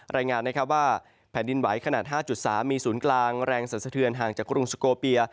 รายงานนะครับว่าแผ่นดินไหวขนาด๕๓มีศูนย์กลางแรงสันสะเทือนห่างจากกรุงสโกเปีย